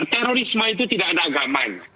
terorisme itu tidak ada agama